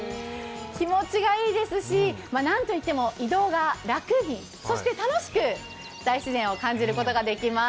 気持ちがいいですし、何といっても移動が楽にそして楽しく大自然を感じることができます。